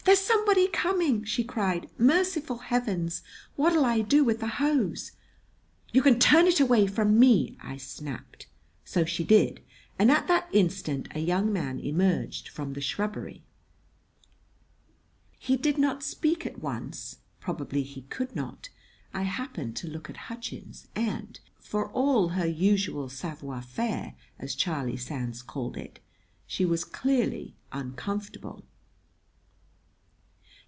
"There's somebody coming!" she cried. "Merciful Heavens, what'll I do with the hose?" "You can turn it away from me!" I snapped. So she did, and at that instant a young man emerged from the shrubbery. He did not speak at once. Probably he could not. I happened to look at Hutchins, and, for all her usual savoir faire, as Charlie Sands called it, she was clearly uncomfortable.